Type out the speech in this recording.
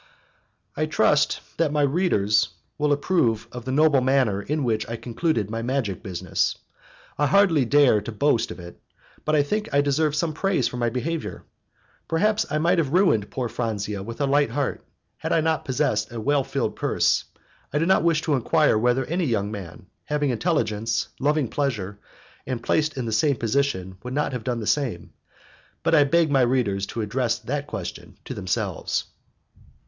I trust that my readers will approve of the noble manner in which I concluded my magic business. I hardly dare to boast of it, but I think I deserve some praise for my behaviour. Perhaps, I might have ruined poor Franzia with a light heart, had I not possessed a well filled purse. I do not wish to enquire whether any young man, having intelligence, loving pleasure, and placed in the same position, would not have done the same, but I beg my readers to address that question to themselves.